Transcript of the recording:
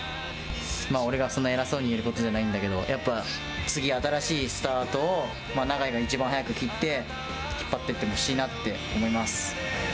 俺がそんな偉そうに言えることじゃないんだけど、やっぱ次、新しいスタートを永井が一番早く切って、引っ張っていってほしいなって思います。